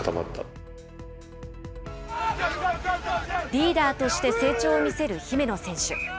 リーダーとして成長を見せる姫野選手。